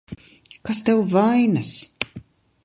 Kas tev vainas?